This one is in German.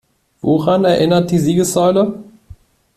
Woran erinnert die Siegessäule?